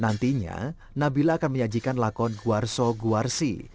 nantinya nabila akan menyajikan lakon guarso guarsi